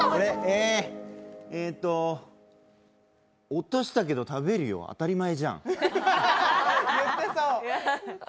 落としたけど食べるよ、当たり前じゃん。